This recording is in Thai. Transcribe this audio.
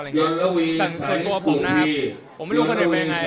อะไรอย่างเงี้ยแต่ส่วนตัวผมนะครับผมไม่รู้คนอื่นเป็นยังไง